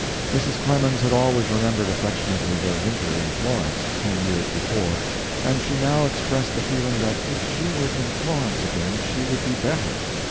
Mrs. Clemens had always remembered affectionately their winter in Florence of ten years before, and she now expressed the feeling that if she were in Florence again she would be better.